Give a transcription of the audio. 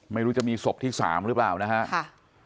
ไม่รู้จะมีศพที่๓หรือเปล่านะครับ